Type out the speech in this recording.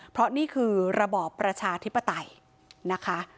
เพราะนี่คือระบอบประชาธิปไตยนะคะ